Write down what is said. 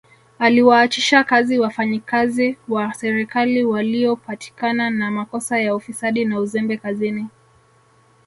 Aliwaachisha kazi wafanyikazi wa serikali waliopatikana na makosa ya ufisadi na uzembe kazini